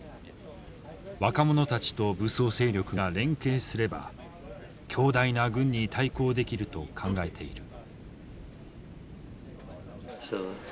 若者たちと武装勢力が連携すれば強大な軍に対抗できると考えている。